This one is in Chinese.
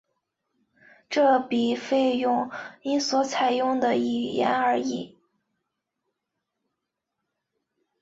这笔费用因所采用的语言而异。